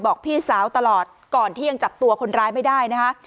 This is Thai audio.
พี่สาวตลอดก่อนที่ยังจับตัวคนร้ายไม่ได้นะคะ